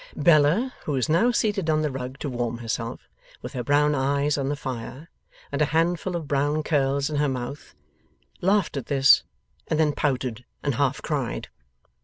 Bella, who was now seated on the rug to warm herself, with her brown eyes on the fire and a handful of her brown curls in her mouth, laughed at this, and then pouted and half cried.